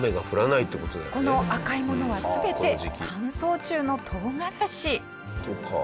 この赤いものは全て乾燥中の唐辛子。